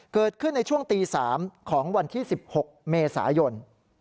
เกิดขึ้นในช่วงตี๓ของวันที่๑๖เมษายน